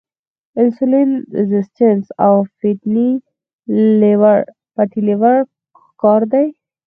انسولین ريزسټنس او فېټي لیور ښکار دي -